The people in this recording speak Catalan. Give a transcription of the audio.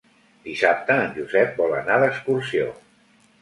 Dissabte en Josep vol anar d'excursió.